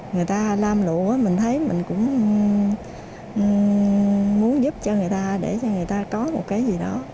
người ta lam lụa mình thấy mình cũng muốn giúp cho người ta để cho người ta có một cái gì đó